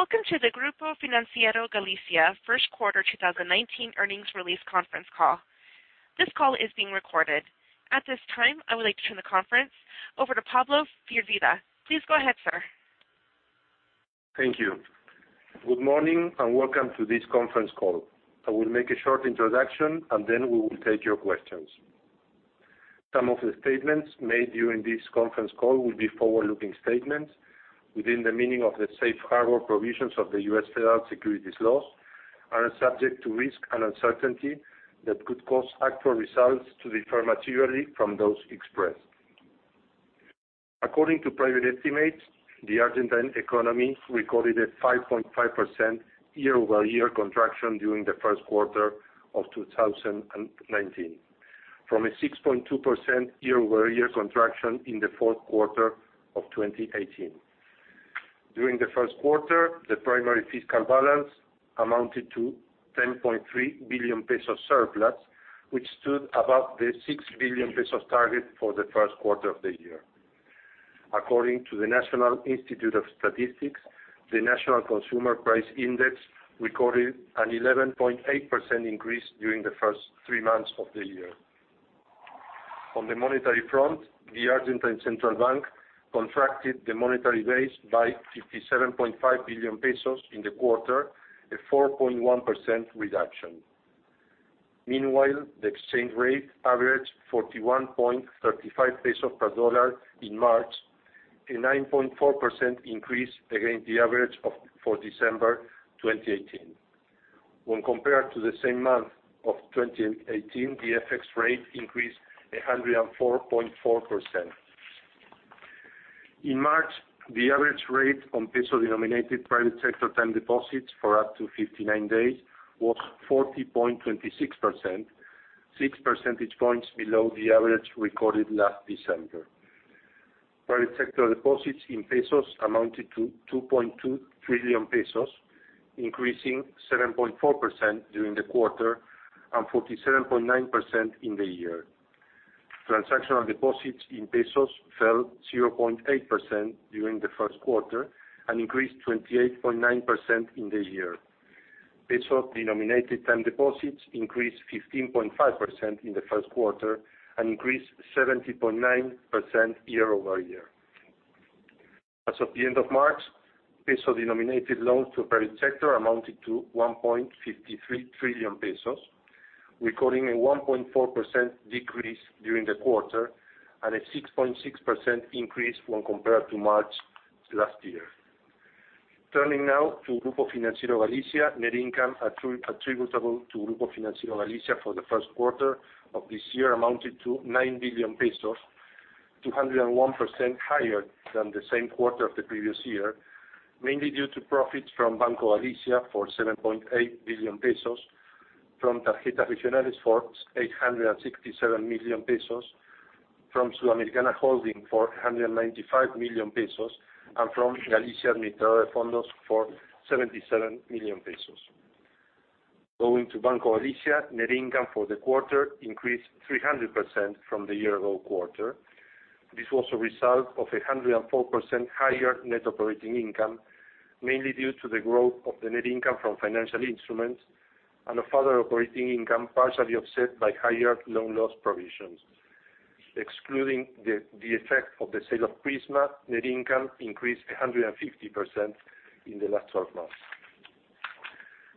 Welcome to the Grupo Financiero Galicia first quarter 2019 earnings release conference call. This call is being recorded. At this time, I would like to turn the conference over to Pablo Firvida. Please go ahead, sir. Thank you. Good morning. Welcome to this conference call. I will make a short introduction, and then we will take your questions. Some of the statements made during this conference call will be forward-looking statements within the meaning of the safe harbor provisions of the U.S. federal securities laws, are subject to risk and uncertainty that could cause actual results to differ materially from those expressed. According to private estimates, the Argentine economy recorded a 5.5% year-over-year contraction during the first quarter of 2019, from a 6.2% year-over-year contraction in the fourth quarter of 2018. During the first quarter, the primary fiscal balance amounted to 10.3 billion pesos surplus, which stood above the 6 billion pesos target for the first quarter of the year. According to the National Institute of Statistics, the national consumer price index recorded an 11.8% increase during the first three months of the year. On the monetary front, the Argentine Central Bank contracted the monetary base by 57.5 billion pesos in the quarter, a 4.1% reduction. Meanwhile, the exchange rate averaged 41.35 pesos per USD in March, a 9.4% increase against the average for December 2018. When compared to the same month of 2018, the FX rate increased 104.4%. In March, the average rate on peso-denominated private sector term deposits for up to 59 days was 40.26%, six percentage points below the average recorded last December. Private sector deposits in pesos amounted to 2.2 trillion pesos, increasing 7.4% during the quarter and 47.9% in the year. Transactional deposits in pesos fell 0.8% during the first quarter and increased 28.9% in the year. Peso-denominated term deposits increased 15.5% in the first quarter and increased 70.9% year-over-year. As of the end of March, peso-denominated loans to the private sector amounted to 1.53 trillion pesos, recording a 1.4% decrease during the quarter and a 6.6% increase when compared to March last year. Turning now to Grupo Financiero Galicia, net income attributable to Grupo Financiero Galicia for the first quarter of this year amounted to 9 billion pesos, 201% higher than the same quarter of the previous year, mainly due to profits from Banco Galicia for 7.8 billion pesos, from Tarjetas Regionales for 867 million pesos, from Sudamericana Holding for 195 million pesos, and from Galicia Administradora de Fondos for 77 million pesos. Going to Banco Galicia, net income for the quarter increased 300% from the year-ago quarter. This was a result of 104% higher net operating income, mainly due to the growth of the net income from financial instruments and a further operating income partially offset by higher loan loss provisions. Excluding the effect of the sale of Prisma, net income increased 150% in the last 12 months.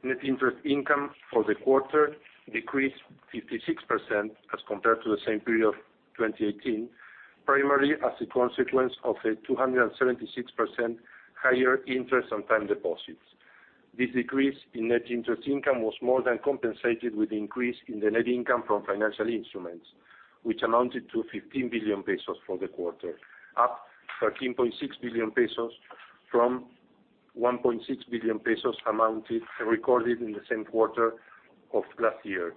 Net interest income for the quarter decreased 56% as compared to the same period of 2018, primarily as a consequence of a 276% higher interest on time deposits. This decrease in net interest income was more than compensated with the increase in the net income from financial instruments, which amounted to 15 billion pesos for the quarter, up 13.6 billion pesos from 1.6 billion pesos recorded in the same quarter of last year,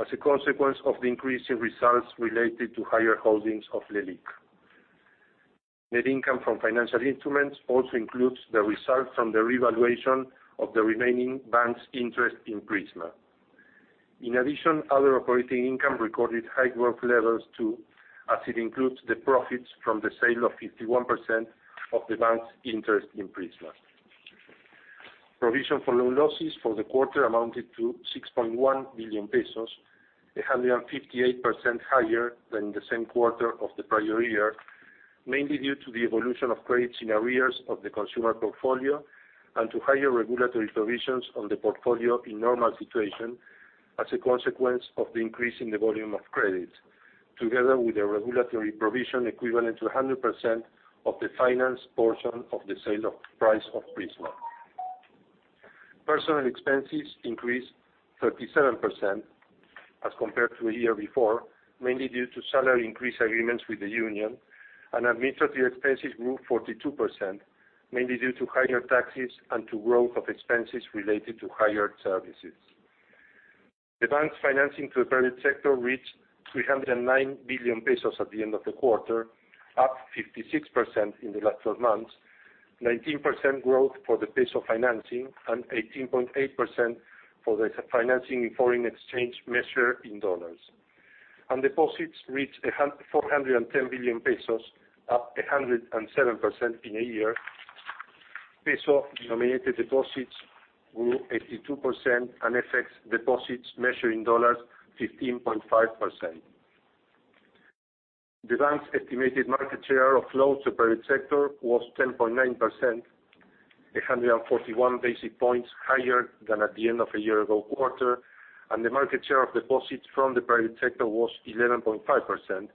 as a consequence of the increase in results related to higher holdings of LELIQ. Net income from financial instruments also includes the result from the revaluation of the remaining bank's interest in Prisma. In addition, other operating income recorded high growth levels too, as it includes the profits from the sale of 51% of the bank's interest in Prisma. Provision for loan losses for the quarter amounted to 6.1 billion pesos, 158% higher than the same quarter of the prior year, mainly due to the evolution of credits in arrears of the consumer portfolio and to higher regulatory provisions on the portfolio in normal situation as a consequence of the increase in the volume of credit, together with a regulatory provision equivalent to 100% of the finance portion of the sale of Prisma. Personnel expenses increased 37% as compared to a year before, mainly due to salary increase agreements with the union, and administrative expenses grew 42%, mainly due to higher taxes and to growth of expenses related to higher services. The bank's financing to the private sector reached 309 billion pesos at the end of the quarter, up 56% in the last 12 months, 19% growth for the peso financing, and 18.8% for the financing in FX measured in USD. Deposits reached 410 billion pesos, up 107% in a year. Peso-denominated deposits grew 82%, and FX deposits measured in USD, 15.5%. The bank's estimated market share of loans to the private sector was 10.9%, 141 basic points higher than at the end of a year ago quarter. The market share of deposits from the private sector was 11.5%,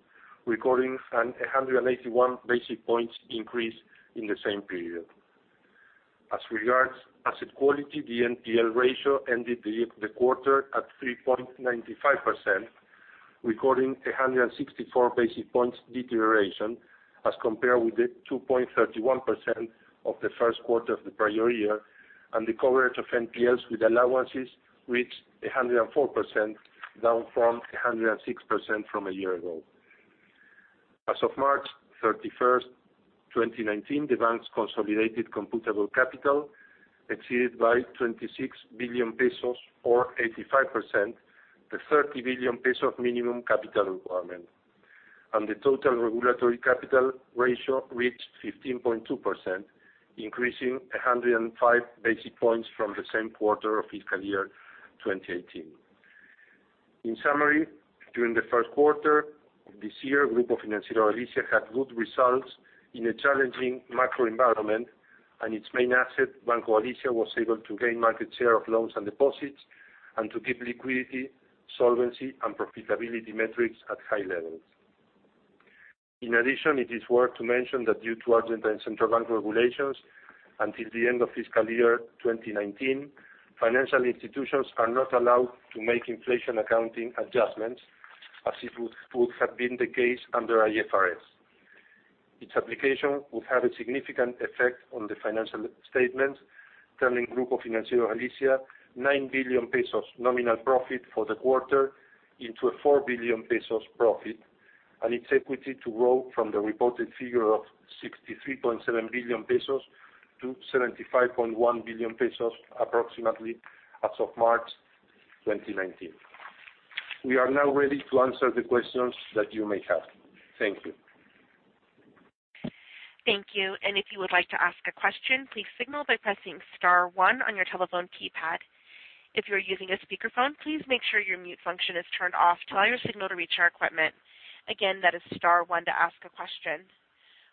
recording a 181 basic points increase in the same period. As regards asset quality, the NPL ratio ended the quarter at 3.95%, recording 164 basic points deterioration as compared with the 2.31% of the first quarter of the prior year, and the coverage of NPLs with allowances reached 104%, down from 106% from a year ago. As of March 31st, 2019, the bank's consolidated computable capital exceeded by 26 billion pesos or 85%, the 30 billion pesos minimum capital requirement. The total regulatory capital ratio reached 15.2%, increasing 105 basic points from the same quarter of fiscal year 2018. In summary, during the first quarter of this year, Grupo Financiero Galicia had good results in a challenging macro environment, and its main asset, Banco Galicia, was able to gain market share of loans and deposits, and to keep liquidity, solvency, and profitability metrics at high levels. In addition, it is worth to mention that due to Argentine Central Bank regulations, until the end of fiscal year 2019, financial institutions are not allowed to make inflation accounting adjustments, as it would have been the case under IFRS. Its application would have a significant effect on the financial statements, turning Grupo Financiero Galicia 9 billion pesos nominal profit for the quarter into a 4 billion pesos profit, and its equity to grow from the reported figure of 63.7 billion pesos to 75.1 billion pesos, approximately, as of March 2019. We are now ready to answer the questions that you may have. Thank you. Thank you. If you would like to ask a question, please signal by pressing star one on your telephone keypad. If you're using a speakerphone, please make sure your mute function is turned off to allow your signal to reach our equipment. That is star one to ask a question.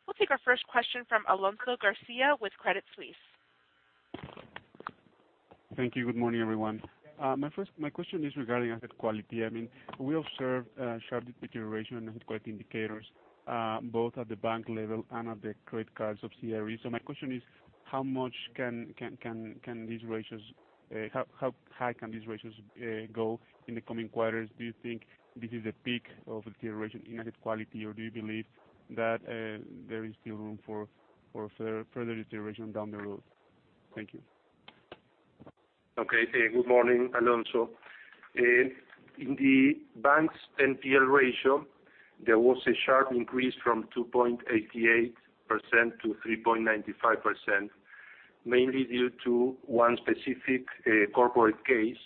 We'll take our first question from Alonso Garcia with Credit Suisse. Thank you. Good morning, everyone. My question is regarding asset quality. We observed a sharp deterioration in asset quality indicators, both at the bank level and at the credit cards of subsidiary. My question is, how high can these ratios go in the coming quarters? Do you think this is the peak of deterioration in asset quality, or do you believe that there is still room for further deterioration down the road? Thank you. Okay. Good morning, Alonso. In the bank's NPL ratio, there was a sharp increase from 2.88% to 3.95%, mainly due to one specific corporate case.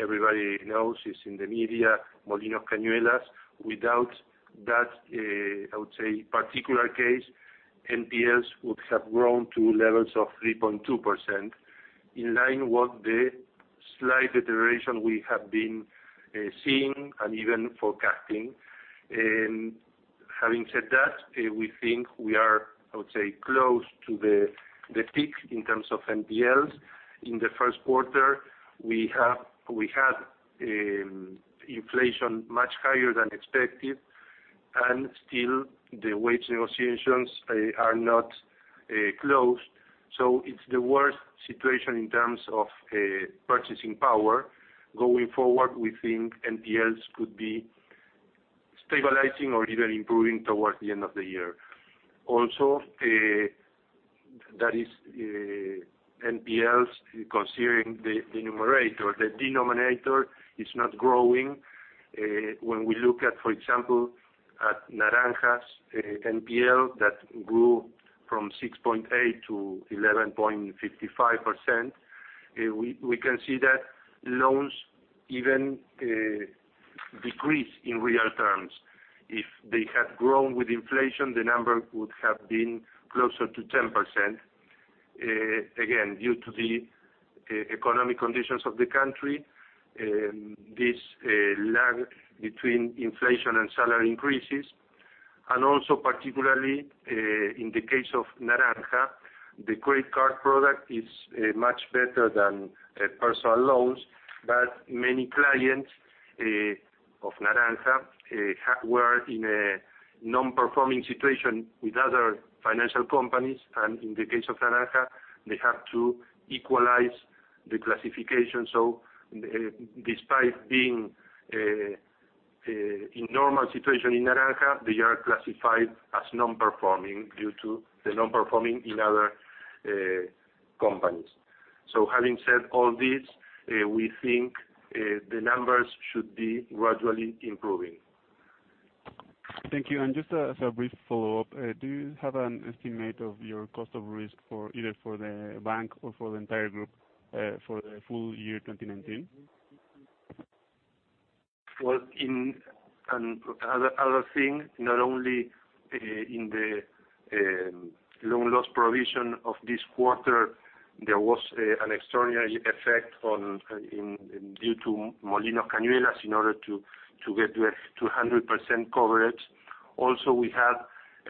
Everybody knows, it's in the media, Molino Cañuelas. Without that, I would say, particular case, NPLs would have grown to levels of 3.2%, in line with the slight deterioration we have been seeing and even forecasting. Having said that, we think we are, I would say, close to the peak in terms of NPLs. In the first quarter, we had inflation much higher than expected, and still, the wage negotiations are not closed. So it's the worst situation in terms of purchasing power. Going forward, we think NPLs could be stabilizing or even improving towards the end of the year. Also, that is NPLs, considering the numerator. The denominator is not growing. When we look at, for example, at Naranja's NPL that grew from 6.8%-11.55%, we can see that loans even decrease in real terms. If they had grown with inflation, the number would have been closer to 10%. Again, due to the economic conditions of the country, this lag between inflation and salary increases, and also particularly in the case of Naranja, the credit card product is much better than personal loans, but many clients of Naranja were in a non-performing situation with other financial companies, and in the case of Naranja, they have to equalize the classification. Despite being in a normal situation in Naranja, they are classified as non-performing due to the non-performing in other companies. Having said all this, we think the numbers should be gradually improving. Thank you. Just as a brief follow-up, do you have an estimate of your cost of risk, either for the bank or for the entire group, for the full year 2019? Well, another thing, not only in the loan loss provision of this quarter, there was an extraordinary effect due to Molino Cañuelas in order to get to 100% coverage. Also, we had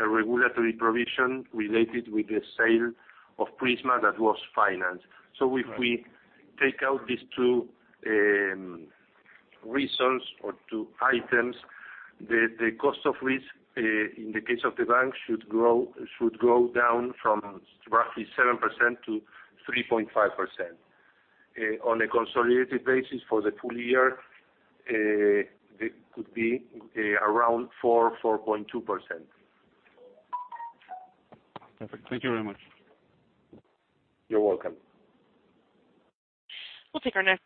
a regulatory provision related with the sale of Prisma that was financed. If we take out these two reasons or two items, the cost of risk, in the case of the bank, should go down from roughly 7%-3.5%. On a consolidated basis for the full year, it could be around 4%, 4.2%. Perfect. Thank you very much. You're welcome. We'll take our next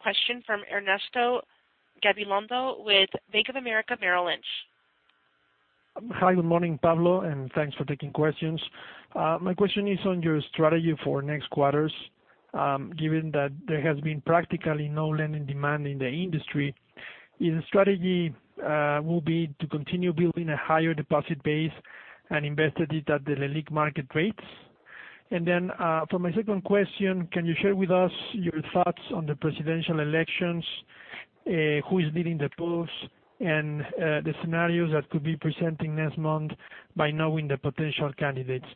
question from Ernesto Gabilondo with Bank of America Merrill Lynch. Hi, good morning, Pablo, thanks for taking questions. My question is on your strategy for next quarters, given that there has been practically no lending demand in the industry. Is the strategy will be to continue building a higher deposit base and invested it at the Leliq market rates? Then, for my second question, can you share with us your thoughts on the presidential elections, who is leading the polls, and the scenarios that could be presenting next month by knowing the potential candidates?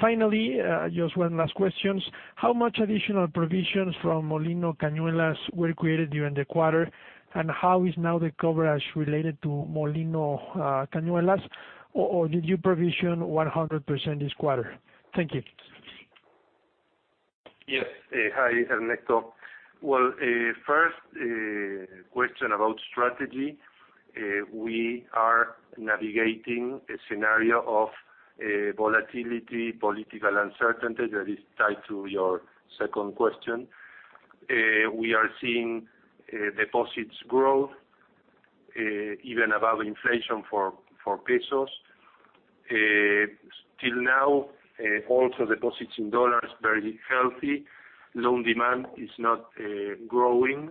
Finally, just one last question. How much additional provisions from Molino Cañuelas were created during the quarter, and how is now the coverage related to Molino Cañuelas, or did you provision 100% this quarter? Thank you. Yes. Hi, Ernesto. Well, first question about strategy. We are navigating a scenario of volatility, political uncertainty, that is tied to your second question. We are seeing deposits growth even above inflation for pesos. Still now, also deposits in dollars, very healthy. Loan demand is not growing,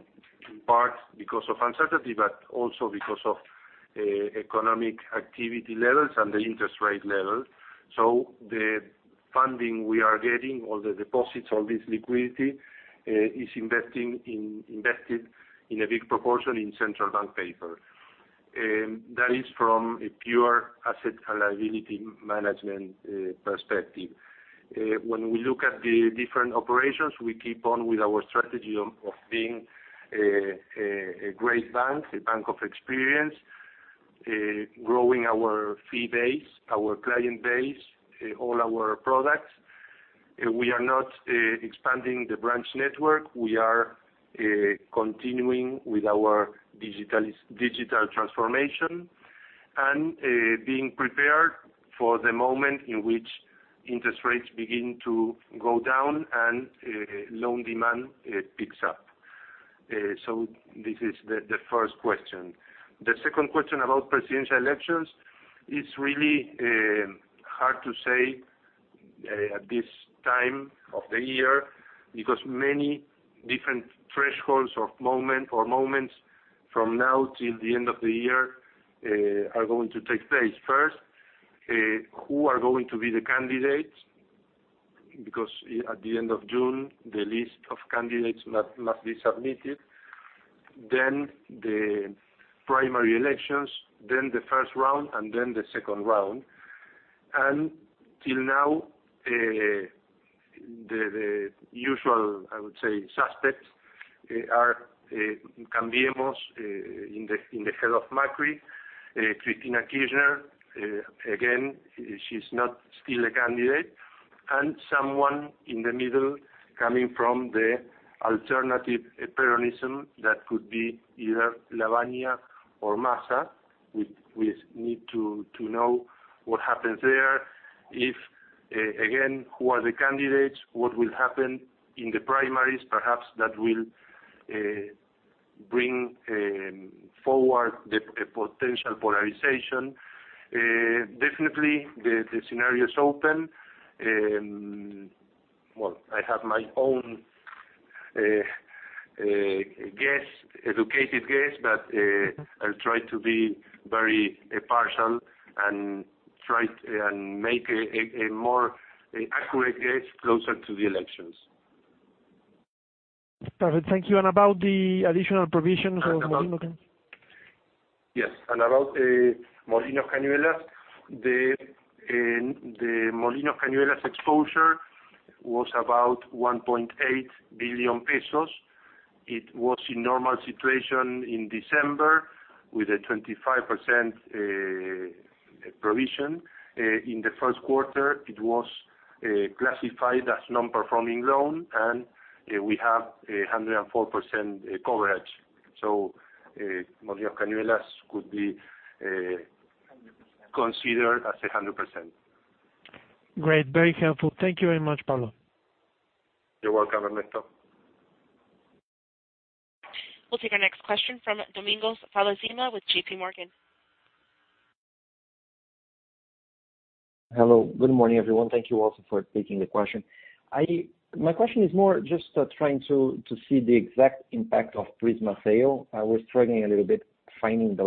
in part because of uncertainty, but also because of economic activity levels and the interest rate level. The funding we are getting, all the deposits, all this liquidity, is invested in a big proportion in central bank paper. That is from a pure asset liability management perspective. When we look at the different operations, we keep on with our strategy of being a great bank, a bank of experience, growing our fee base, our client base, all our products. We are not expanding the branch network. We are continuing with our digital transformation and being prepared for the moment in which interest rates begin to go down and loan demand picks up. This is the first question. The second question about presidential elections, it's really hard to say at this time of the year, because many different thresholds or moments from now till the end of the year are going to take place. First, who are going to be the candidates, because at the end of June, the list of candidates must be submitted. The primary elections, the first round, and the second round. Till now, the usual, I would say, suspects are Cambiemos in the head of Macri, Cristina Kirchner, again, she's not still a candidate, and someone in the middle coming from the alternative Peronism, that could be either Lavagna or Massa. We need to know what happens there. If, again, who are the candidates, what will happen in the primaries, perhaps that will bring forward a potential polarization. Definitely, the scenario is open. I have my own guess, educated guess, I'll try to be very impartial and make a more accurate guess closer to the elections. Perfect. Thank you. About the additional provisions of Molino Cañuelas? Yes. About Molino Cañuelas, the Molino Cañuelas exposure was about 1.8 billion pesos. It was in normal situation in December with a 25% provision. In the first quarter, it was classified as non-performing loan, and we have 104% coverage. Molino Cañuelas could be considered as 100%. Great. Very helpful. Thank you very much, Pablo. You're welcome, Ernesto. We'll take our next question from Domingos Falasina with JP Morgan. Hello. Good morning, everyone. Thank you also for taking the question. My question is more just trying to see the exact impact of Prisma sale. I was struggling a little bit finding the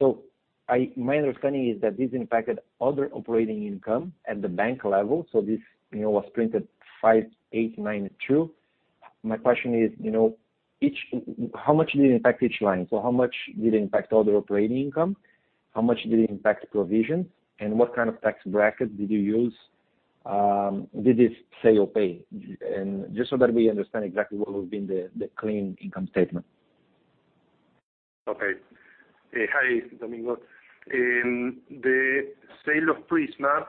lines. My understanding is that this impacted other operating income at the bank level. This was printed 5,892. My question is, how much did it impact each line? How much did it impact all the operating income? How much did it impact the provision? What kind of tax bracket did you use? Did this sale pay? Just so that we understand exactly what would be the clean income statement. Okay. Hi, Domingos. The sale of Prisma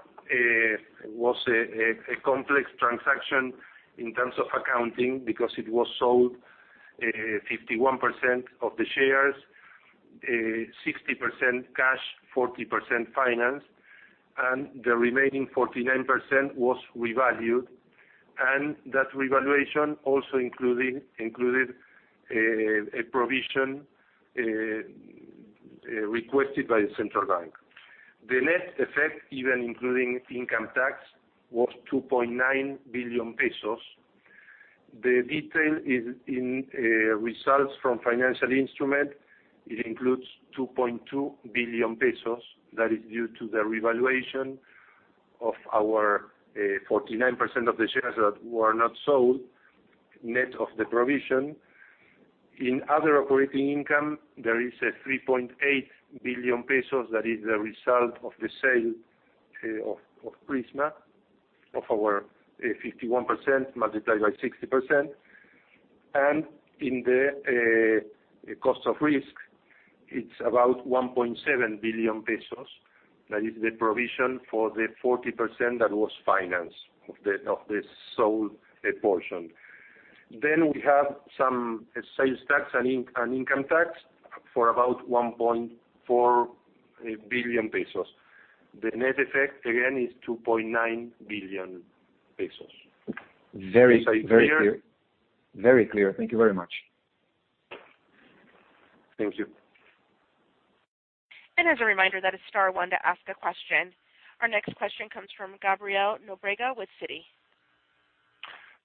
was a complex transaction in terms of accounting because it was sold 51% of the shares, 60% cash, 40% finance, and the remaining 49% was revalued. That revaluation also included a provision requested by the Central Bank. The net effect, even including income tax, was 2.9 billion pesos. The detail is in net income from financial instruments. It includes 2.2 billion pesos. That is due to the revaluation of our 49% of the shares that were not sold, net of the provision. In other operating income, there is 3.8 billion pesos that is the result of the sale of Prisma of our 51% multiplied by 60%. In the cost of risk, it is about 1.7 billion pesos. That is the provision for the 40% that was financed of the sold portion. We have some sales tax and income tax for about 1.4 billion pesos. The net effect again is 2.9 billion pesos. Is that clear? Very clear. Thank you very much. Thank you. As a reminder, that is star one to ask a question. Our next question comes from Gabriel Nobrega with Citi.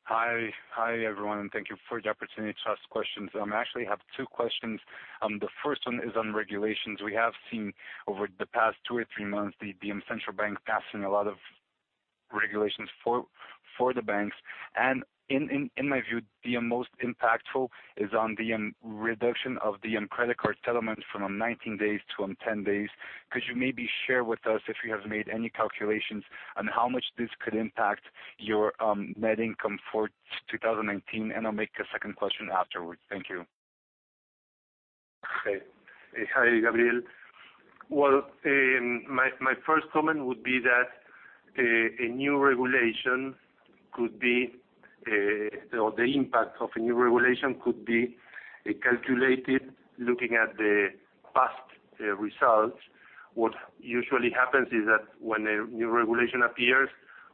Hi. Hi, everyone, thank you for the opportunity to ask questions. I actually have two questions. The first one is on regulations. We have seen over the past two or three months the central bank passing a lot of regulations for the banks. In my view, the most impactful is on the reduction of the credit card settlements from 19 days to 10 days. Could you maybe share with us if you have made any calculations on how much this could impact your net income for 2019? I'll make a second question afterwards. Thank you. Okay. Hi, Gabriel. Well, my first comment would be that the impact of a new regulation could be calculated looking at the past results. What usually happens is that when a new regulation appears,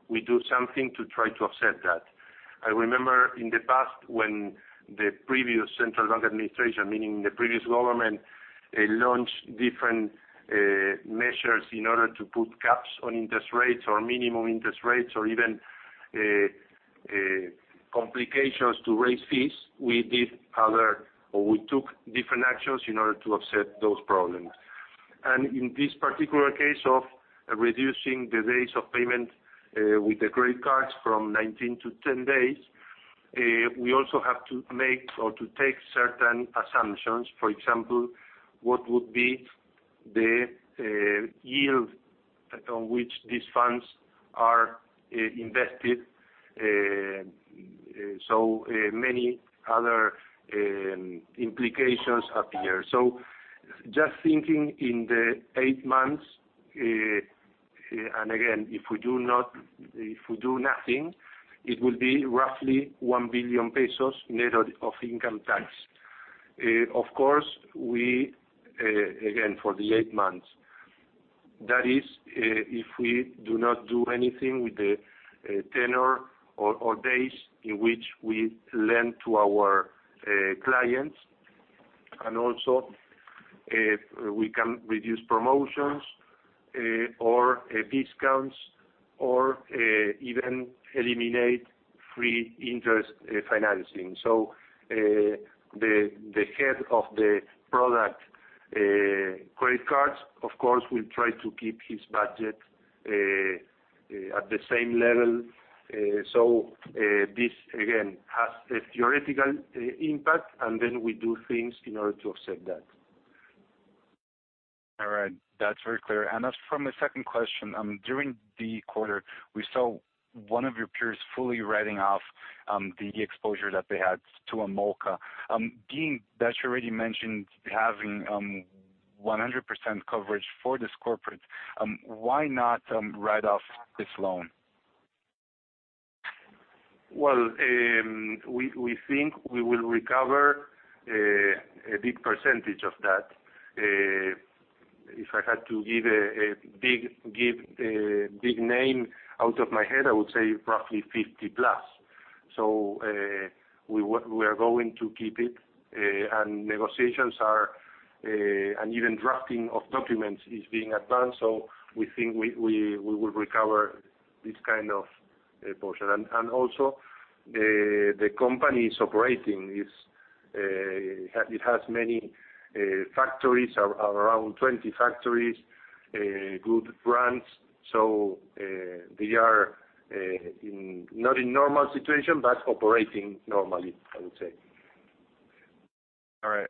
we do something to try to offset that. I remember in the past when the previous central bank administration, meaning the previous government, launched different measures in order to put caps on interest rates or minimum interest rates or even complications to raise fees, we did other or we took different actions in order to offset those problems. In this particular case of reducing the days of payment with the credit cards from 19 to 10 days, we also have to make or to take certain assumptions. For example, what would be the yield on which these funds are invested? Many other implications appear. Just thinking in the eight months, again, if we do nothing, it will be roughly 1 billion pesos net of income tax. Of course, again, for the eight months. That is if we do not do anything with the tenure or days in which we lend to our clients. Also, we can reduce promotions or discounts or even eliminate free interest financing. The head of the product credit cards, of course, will try to keep his budget at the same level. This, again, has a theoretical impact, and then we do things in order to offset that. All right. That's very clear. As for my second question, during the quarter, we saw one of your peers fully writing off the exposure that they had to Molino Cañuelas. Being that you already mentioned having 100% coverage for this corporate, why not write off this loan? Well, we think we will recover a big percentage of that. If I had to give a big name out of my head, I would say roughly 50 plus. We are going to keep it, and negotiations are, and even drafting of documents is being advanced. We think we will recover this kind of portion. Also the company's operating. It has many factories, around 20 factories, good brands. They are not in normal situation, but operating normally, I would say. All right.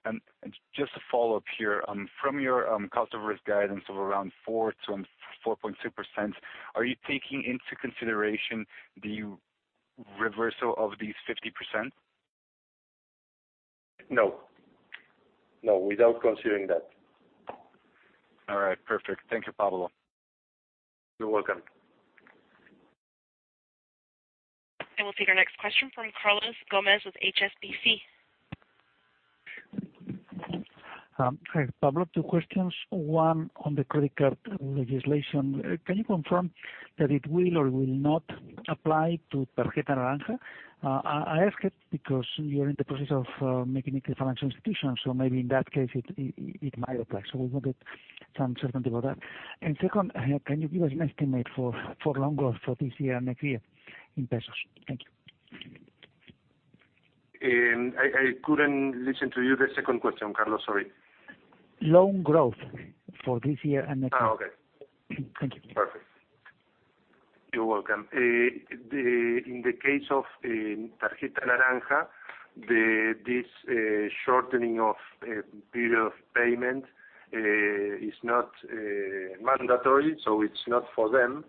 Just a follow-up here. From your cost of risk guidance of around 4%-4.2%, are you taking into consideration the reversal of these 50%? No. Without considering that. All right. Perfect. Thank you, Pablo. You're welcome. We'll take our next question from Carlos Gomez-Lopez with HSBC. Hi, Pablo. Two questions. One on the credit card legislation. Can you confirm that it will or will not apply to Tarjeta Naranja? I ask it because you're in the process of making it a financial institution, so maybe in that case, it might apply. We wanted some certainty about that. Second, can you give us an estimate for loan growth for this year and next year in pesos? Thank you. I couldn't listen to you, the second question, Carlos. Sorry. Loan growth for this year and next year. Okay. Thank you. Perfect. You're welcome. In the case of Tarjeta Naranja, this shortening of period of payment is not mandatory. It's not for them,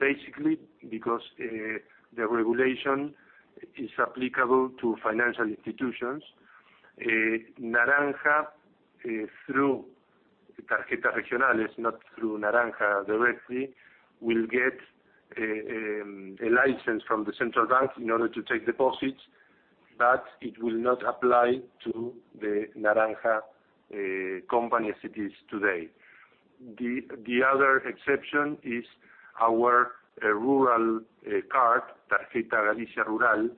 basically because the regulation is applicable to financial institutions. Naranja, through Tarjetas Regionales, not through Naranja directly, will get a license from the central bank in order to take deposits. It will not apply to the Naranja company as it is today. The other exception is our rural card, Tarjeta Galicia Rural,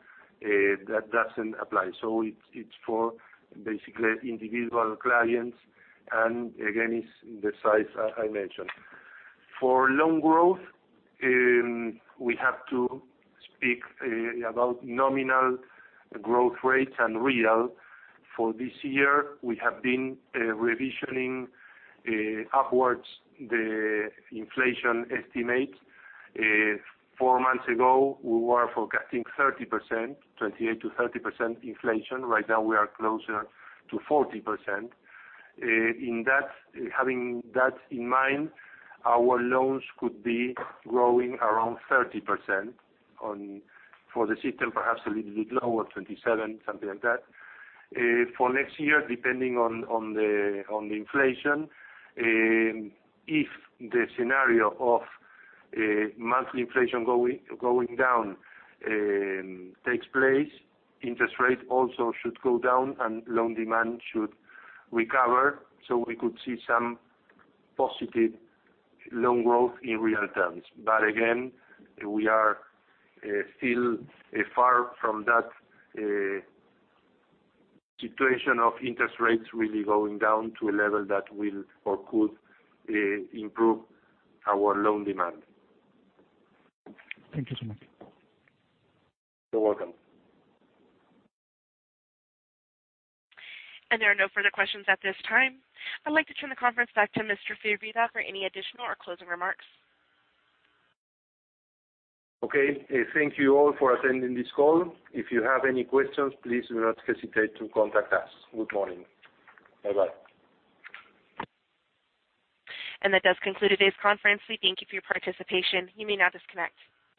that doesn't apply. It's for basically individual clients, and again, is the size I mentioned. For loan growth, we have to speak about nominal growth rates and real. For this year, we have been revisioning upwards the inflation estimate. Four months ago, we were forecasting 30%, 28%-30% inflation. Right now, we are closer to 40%. Having that in mind, our loans could be growing around 30%. For the system, perhaps a little bit lower, 27%, something like that. For next year, depending on the inflation, if the scenario of monthly inflation going down takes place, interest rates also should go down and loan demand should recover. We could see some positive loan growth in real terms. Again, we are still far from that situation of interest rates really going down to a level that will or could improve our loan demand. Thank you so much. You're welcome. There are no further questions at this time. I'd like to turn the conference back to Mr. Firvida for any additional or closing remarks. Okay. Thank you all for attending this call. If you have any questions, please do not hesitate to contact us. Good morning. Bye-bye. That does conclude today's conference. We thank you for your participation. You may now disconnect.